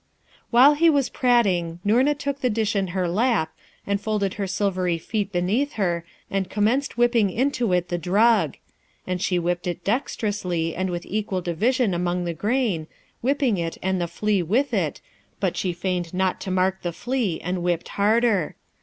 While he was prating Noorna took the dish in her lap, and folded her silvery feet beneath her, and commenced whipping into it the drug: and she whipped it dexterously and with equal division among the grain, whipping it and the flea with it, but she feigned not to mark the flea and whipped harder.